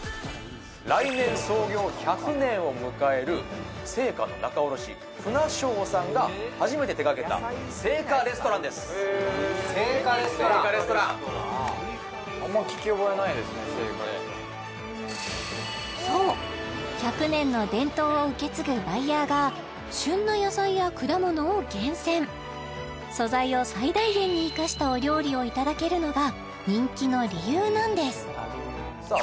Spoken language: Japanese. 来年創業１００年を迎える青果の仲卸船昌さんが初めて手がけた青果レストランです・へえ・青果レストランそう１００年の伝統を受け継ぐバイヤーが旬な野菜や果物を厳選素材を最大限に生かしたお料理をいただけるのが人気の理由なんですさあ